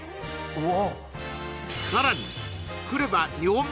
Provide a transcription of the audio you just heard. うわ